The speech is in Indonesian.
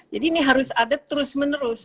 jadi ini harus ada terus menerus